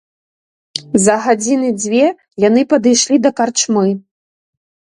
За гадзіны дзве яны падышлі да карчмы.